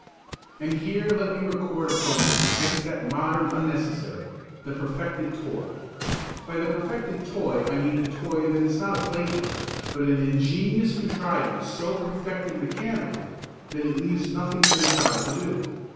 And here let me record a protest against that modern unnecessary, the perfected toy. By the perfected toy I mean the toy that is not a plaything, but an ingenious contrivance so perfected mechanically that it leaves nothing for the child to do.